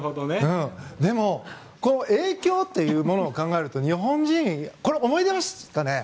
でも、影響というものを考えると日本人これ、覚えてますかね。